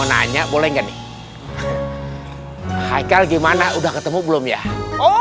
keadaan yang aman selamat dan sentosa berapa bagaimana betul seperti concretek co surpass dan comedy